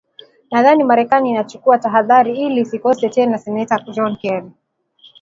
Nadhani Marekani inachukua tahadhari ili isikosee tena kama Seneta John Kerry